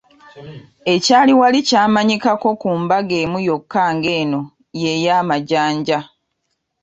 Ekyali wali kyamanyikako ku mbaga emu yokka ng’eno ye ya Majanja.